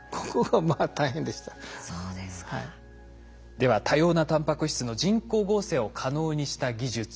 では多様なタンパク質の人工合成を可能にした技術。